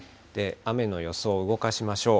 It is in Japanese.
雨の予想を動かしましょう。